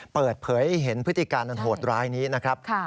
เปิดเผยให้เห็นพฤติการอันโหดร้ายนี้นะครับ